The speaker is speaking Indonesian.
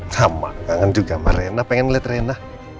kamu kangen juga sama rena pengen liat rena